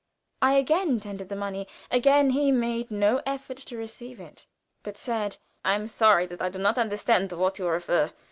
I again tendered the money; again he made no effort to receive it, but said: "I am sorry that I do not understand to what you refer.